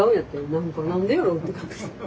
何か何でやろ？